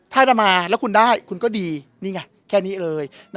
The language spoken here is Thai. ถ้าเรามาแล้วคุณได้คุณก็ดีนี่ไงแค่นี้เลย